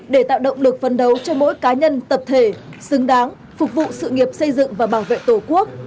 để tạo động lực phấn đấu cho mỗi cá nhân tập thể xứng đáng phục vụ sự nghiệp xây dựng và bảo vệ tổ quốc